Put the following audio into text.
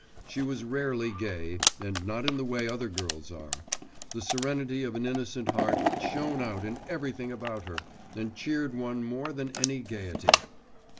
She was rarely gay, and not in the way other girls are; the serenity of an innocent heart shone out in everything about her, and cheered one more than any gaiety.